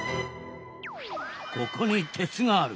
ここに鉄がある。